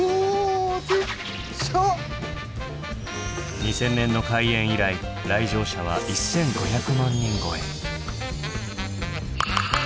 ２０００年の開園以来来場者は１，５００万人超え。